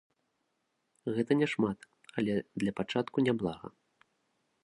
Гэта няшмат, але для пачатку няблага.